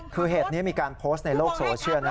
คือเหตุนี้มีการโพสต์ในโลกโซเชียลนะ